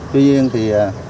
tuy nhiên thì